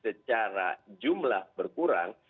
secara jumlah berkurang